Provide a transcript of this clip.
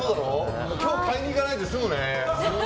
今日、買いにいかないで済むね。